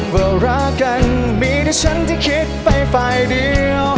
ก็รักกันมีดิฉันที่คิดไปฝ่ายเดียว